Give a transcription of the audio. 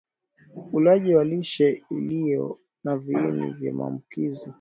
Ulaji wa lishe iliyo na viini vya maambukizi